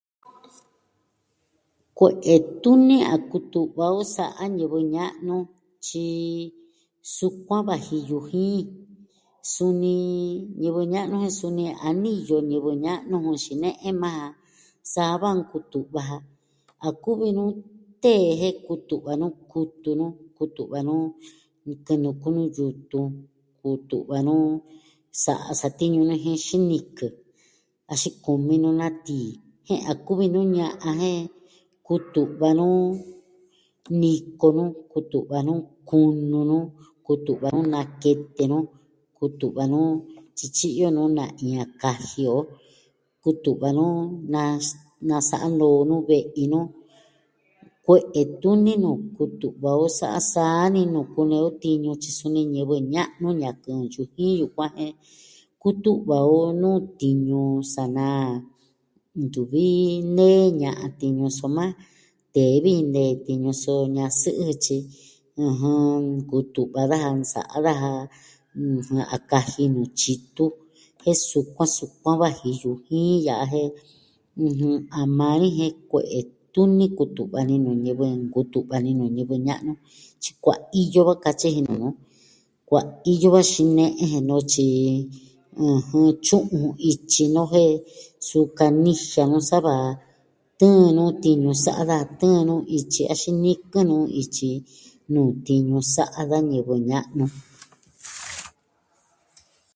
Kue'e tuni a kutu'va o sa'a ñivɨ ña'nu. Tyi sukuan vaji yujin. Suni, ñivɨ ña'nu jen suni a niyo ñivɨ ña'nu jun xine'e maa ja. Sa va nkutu'va ja. A kuvi nu tee jen kutu'va nu kutu nu kutu'va nu kɨ'ɨn nukú nu yutun. Kutu'va nu sa'a satiñu nu na jin xinikɨ. Axin kumi nu na tii. Jen a kuvi nu ña'an, jen kutu'va nu niko nu, kutu'va nu kunu nu, kutu'va nu nakete nu, kutu'va nu tyityi'yo nu na iin a kaji o. Kutu'va nu nas... nasa'a noo nu ve'i nu. Kue'e tuni nuu kutu'va o sa'a saa ni nu kunee o tiñu tyi suni ñivɨ ña'nu ñankɨɨn yujin yukuan. Jen kutu'va o nuu tiñu sa naa. Ntuvi nee ña'an tiñu soma tee vi nee tiñu so ña'an sɨ'ɨ tyi, ɨjɨn, kutu'va daja nsa'a daja. N... a kaji nu tyitu. jen sukuan sukuan vaji yujin ya'a jen, ɨjɨn, a maa ni jen kue'e tuni kutu'va ni nuu ñivɨ, nkutu'va ni nuu ñivɨ ña'nu. Tyi kuaiyo katyi ji nuu nu. kuaiyo xine'en je noo tyi, ɨjɨn, tyu'un ityi no'o jen su kanijia nu sava tɨɨn nu tiñu sa'a daja. Tɨɨn nu ityi axin nikɨn nu ityi nuu tiñu sa'a da ñivɨ ña'nu.